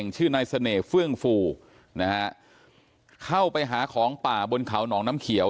ชื่อนายเสน่ห์เฟื่องฟูนะฮะเข้าไปหาของป่าบนเขาหนองน้ำเขียว